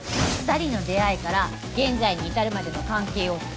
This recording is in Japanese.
二人の出会いから現在に至るまでの関係を